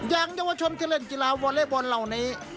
ยังเยาวชนที่เล่นกีฬาโวเลอท์บอนลิฟต์เรานี้